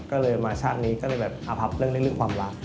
ก็เลยมาชาตินี้ก็เลยแบบอพับเรื่องความรัก